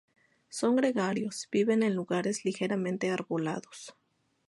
Son gregarios, viven en lugares ligeramente arbolados.